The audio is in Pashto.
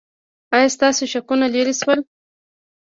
ایا ستاسو شکونه لرې شول؟